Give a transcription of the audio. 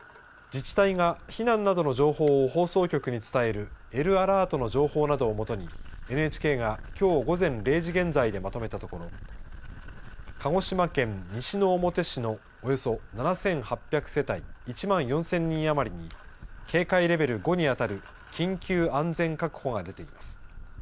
自治体が避難などの情報を放送局に伝えるＬアラートの情報などを基にＮＨＫがきょう午前０時現在でまとめたところ鹿児島県西之表市のおよそ７８００世帯１万４０００人余りに警戒レベル５に当たる緊急安全確保が出ています。